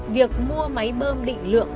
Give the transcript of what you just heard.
việc mua máy bơm định lượng